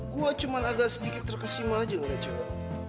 gue cuma agak sedikit terkesima aja dengan cewek